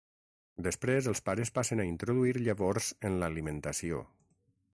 Després els pares passen a introduir llavors en l'alimentació.